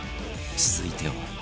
続いては